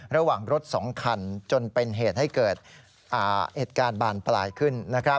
ระหว่างรถ๒คันจนเป็นเหตุให้เกิดเหตุการณ์บานปลายขึ้น